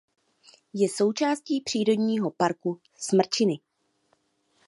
Je součástí přírodního parku Smrčiny.